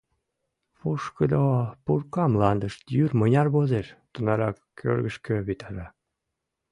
Пушкыдо пурка мландыш йӱр мыняр возеш, тунарак кӧргышкӧ витара.